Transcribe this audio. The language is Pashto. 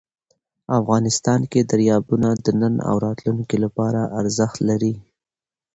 افغانستان کې دریابونه د نن او راتلونکي لپاره ارزښت لري.